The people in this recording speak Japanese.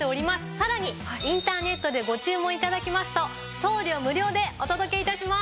さらにインターネットでご注文頂きますと送料無料でお届け致します。